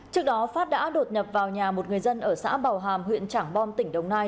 trước đó phát đã đột nhập vào nhà một người dân ở xã bảo hàm huyện trảng bom tỉnh đồng nai